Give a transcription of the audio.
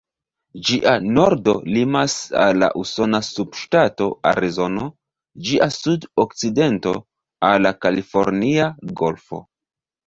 Ĝia nordo limas al la usona subŝtato Arizono, ĝia sud-okcidento al la Kalifornia Golfo.